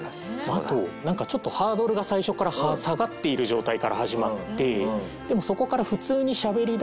あとなんかちょっとハードルが最初から下がっている状態から始まってでもそこから普通に喋りだすと。